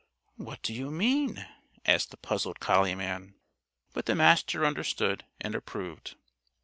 "What do you mean?" asked the puzzled collie man. But the Master understood and approved.